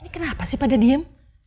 kenapa sih pada diem